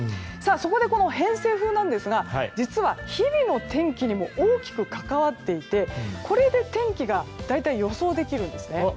そこでこの偏西風ですが実は日々の天気にも大きく関わっていてこれで天気が大体、予想できるんですね。